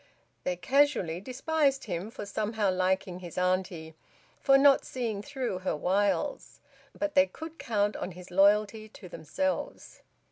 They casually despised him for somehow liking his auntie, for not seeing through her wiles; but they could count on his loyalty to themselves.